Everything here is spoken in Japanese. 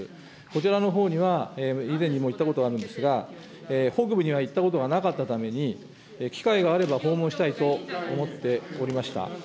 こちらのほうには以前にも行ったことあるんですが、北部には行ったことがなかったために、機会があれば訪問したいと思っておりました。